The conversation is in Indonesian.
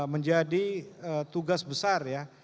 menjadi tugas besar ya